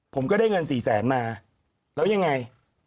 ผมก็ได้เงิน๔แสนมาแล้วยังไง